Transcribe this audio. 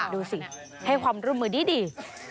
ดูสิให้ความร่วมมือดี